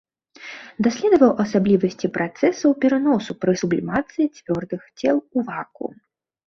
Даследаваў асаблівасці працэсаў пераносу пры сублімацыі цвёрдых цел у вакуум.